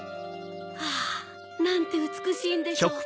あなんてうつくしいんでしょう。